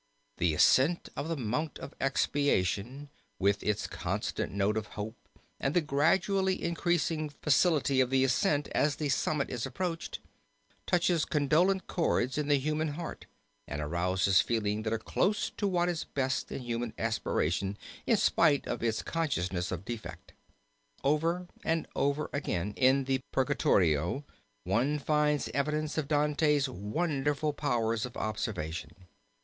The ascent of the Mount of Expiation with its constant note of hope and the gradually increasing facility of the ascent as the summit is approached, touches condolent cords in the human heart and arouses feelings that are close to what is best in human aspiration in spite of its consciousness of defect. Over and over again in the Purgatorio one finds evidence of Dante's wonderful powers of observation.